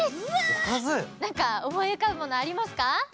なんかおもいうかぶものありますか？